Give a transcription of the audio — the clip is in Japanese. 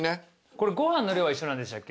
これご飯だけは一緒なんでしたっけ。